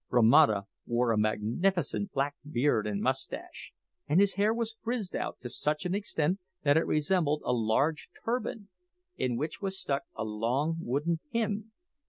Romata wore a magnificent black beard and moustache, and his hair was frizzed out to such an extent that it resembled a large turban, in which was stuck a long wooden pin!